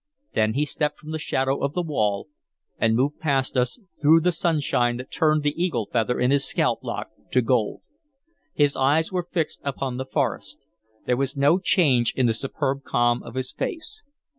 Then he stepped from the shadow of the wall and moved past us through the sunshine that turned the eagle feather in his scalp lock to gold. His eyes were fixed upon the forest; there was no change in the superb calm of his face.